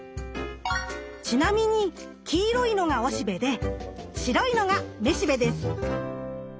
ちなみに黄色いのがおしべで白いのがめしべです。